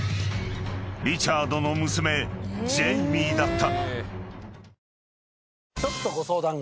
［リチャードの娘ジェイミーだった］